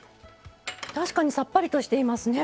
確かにさっぱりとしていますね。